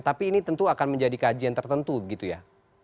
tapi ini tentu akan menjadi kajian tertentu gitu ya